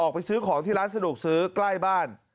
ไปซื้อของที่ร้านสะดวกซื้อใกล้บ้าน